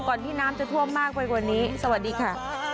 ที่น้ำจะท่วมมากไปกว่านี้สวัสดีค่ะ